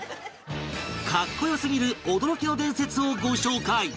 格好良すぎる驚きの伝説をご紹介